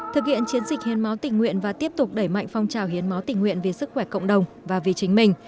thực hiện chiến dịch hiến máu tình nguyện và tiếp tục đẩy mạnh phong trào hiến máu tình nguyện vì sức khỏe cộng đồng và vì chính mình